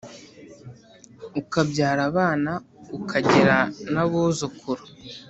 ukabyara abana ukagira n’abuzukuru,